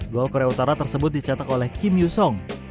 goal korea utara tersebut dicatat oleh kim yoo song